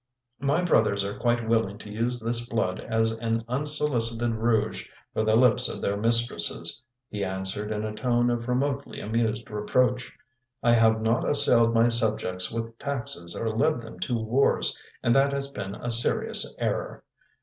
" My brothers are quite willing to use this blood as an unsolicited rouge for the lips of their mistresses," he answered in a tone of remotely amused reproach. " I have not assailed my subjects with taxes or led them to wars and that has been a serious error.